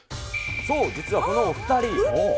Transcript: そう、実はこのお２人。